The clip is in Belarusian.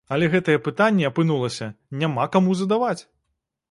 Але гэтыя пытанні, апынулася, няма каму задаваць!